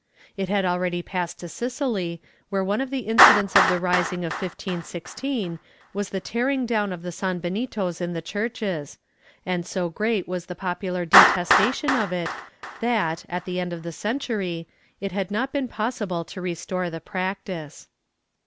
It had already passed to Sicily, where one of the incidents of the rising of 1516 was the tearing down of the sanbenitos in the churches, and so great was the popular detestation of it that, at the end of the century, it had not been possible to restore the practice.